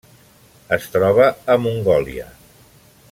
Es troba a Mongòlia.